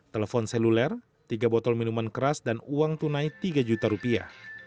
telepon seluler tiga botol minuman keras dan uang tunai tiga juta rupiah